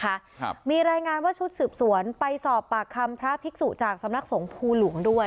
ครับมีรายงานว่าชุดสืบสวนไปสอบปากคำพระภิกษุจากสำนักสงภูหลวงด้วย